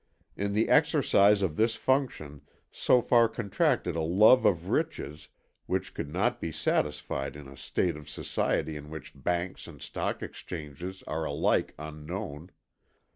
In the exercise of this function Sophar contracted a love of riches which could not be satisfied in a state of society in which banks and stock exchanges are alike unknown.